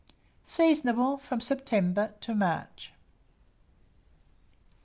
Seasonable from September to March.